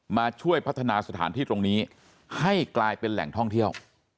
มาช่วยพัฒนาสถานที่ตรงนี้ให้กลายเป็นแหล่งท่องเที่ยว